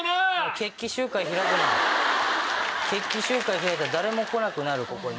決起集会開いたら誰も来なくなるここに。